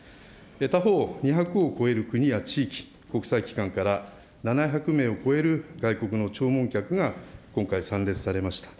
他方、２００を超える国や地域、国際機関から７００名を超える外国の弔問客が今回参列されました。